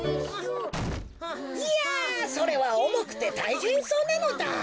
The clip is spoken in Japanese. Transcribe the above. いやそれはおもくてたいへんそうなのだ。